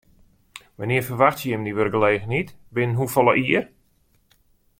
Wannear ferwachtsje jim dy wurkgelegenheid, binnen hoefolle jier?